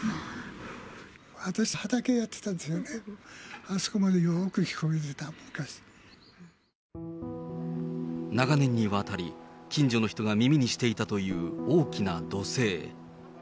私、畑やってたんですが、あそこまでよーく聞こえてた、長年にわたり、近所の人が耳にしていたという大きな怒声。